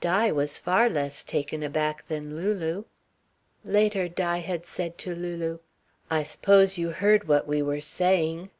Di was far less taken aback than Lulu. Later Di had said to Lulu: "I s'pose you heard what we were saying."